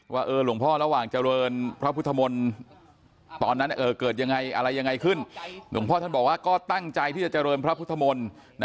ว่าหลวงพ่อระหว่างเจริญพระพุทธมนต์ตอนนั้นเกิดยังไงอะไรยังไงขึ้นหลวงพ่อท่านบอกว่าก็ตั้งใจที่จะเจริญพระพุทธมนตร์